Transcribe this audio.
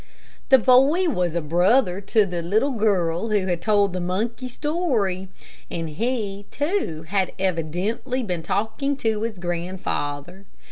The boy was a brother to the little girl who had told the monkey story, and he, too, had evidently been talking to his grandfather.